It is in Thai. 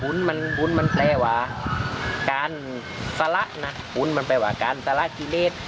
บุญมันแปลว่าการสละนะบุญมันแปลว่าการสละกิเลส